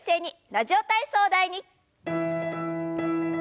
「ラジオ体操第２」。